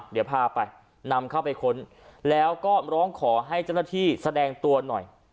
เดี๋ยวพาไปนำเข้าไปค้นแล้วก็ร้องขอให้เจ้าหน้าที่แสดงตัวหน่อย